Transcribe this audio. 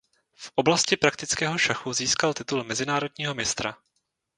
V oblasti praktického šachu získal titul mezinárodního mistra.